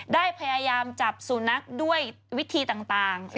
ได้พยายามจับสูนักด้วยวิธีต่าง